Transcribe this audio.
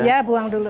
iya buang dulu